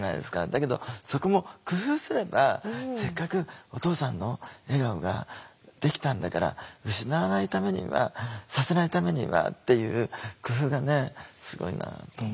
だけどそこも工夫すればせっかくお父さんの笑顔ができたんだから失わないためにはさせないためにはっていう工夫がねすごいなと思う。